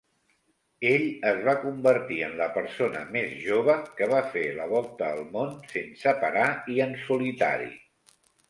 Ell es va convertir en la persona més jove que va fer la volta al món sense parar i en solitari.